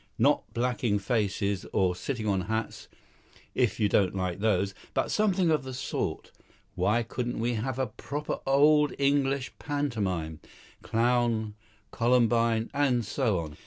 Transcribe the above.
Not blacking faces or sitting on hats, if you don't like those but something of the sort. Why couldn't we have a proper old English pantomime clown, columbine, and so on.